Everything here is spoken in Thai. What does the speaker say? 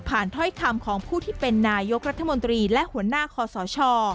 ผ่านเท้าขัมของผู้ที่เป็นนายกรัฐมนตรีหัวหน้าคอสช